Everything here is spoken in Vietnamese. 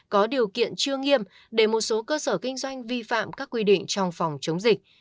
có điều kiện chưa nghiêm để một số cơ sở kinh doanh vi phạm các quy định trong phòng chống dịch